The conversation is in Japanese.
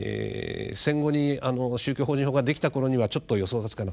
戦後に宗教法人法ができたころにはちょっと予想がつかなかった。